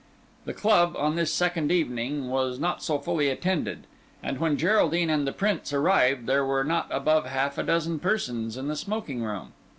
The club, on this second evening, was not so fully attended; and when Geraldine and the Prince arrived, there were not above half a dozen persons in the smoking room.